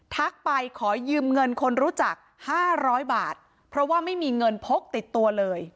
ไปขอยืมเงินคนรู้จักห้าร้อยบาทเพราะว่าไม่มีเงินพกติดตัวเลย